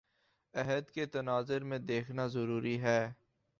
عہد کے تناظر میں دیکھنا ضروری ہے